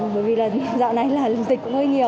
bởi vì dạo này là dịch hơi nhiều